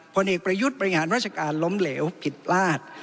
ผลเอกประยุทธ์บริหารราชการล้มเหลวผิดพลาด